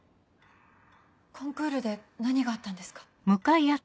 コンクールで何があったんですか？